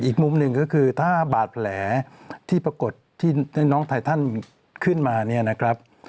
อีกมุมหนึ่งก็คือถ้าบาดแผลที่ปรากฏที่น้องไททันขึ้นมาเนี่ยนะครับ